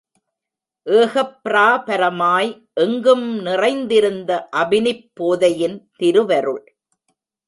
ஏகப்ராபரமாய் எங்கும் நிறைந்திருந்த அபினிப் போதையின் திருவருள்.